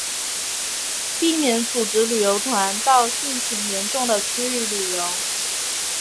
避免组织旅游团到汛情严重的区域旅游